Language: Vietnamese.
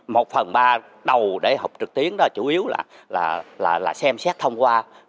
một phần ba đầu để học trực tuyến đó chủ yếu là xem xét thông qua